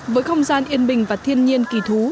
với không gian yên bình và thiên nhiên kỳ thú